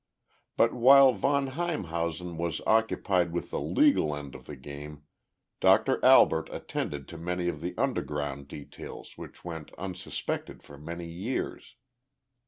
But while von Heimhausen was occupied with the legal end of the game, Doctor Albert attended to many of the underground details which went unsuspected for many years.